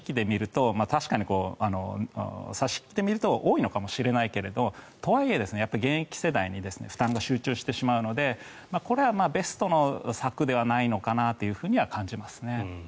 確かに差し引きで見ると多いのかもしれないけどとはいえ、現役世代に負担が集中してしまうのでこれはベストの策ではないのかなと感じますね。